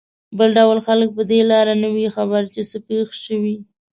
بل ډول خلک په دې لا نه وي خبر چې څه پېښ شوي.